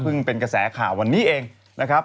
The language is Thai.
เป็นกระแสข่าววันนี้เองนะครับ